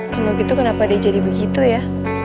hmm kalo gitu kenapa dia jadi begitu ya